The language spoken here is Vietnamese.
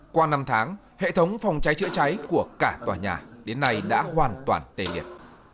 qua năm tháng hệ thống phòng cháy chữa cháy của cả tòa nhà đến nay đã hoàn toàn tê liệt